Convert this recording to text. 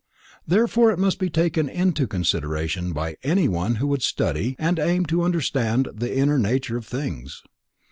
Therefore it must be taken into consideration by any one who would study and aim to understand the inner nature of things.